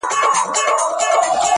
بيا چي يخ سمال پټيو څخه راسي.